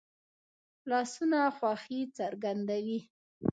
لاسونه خوښي څرګندوي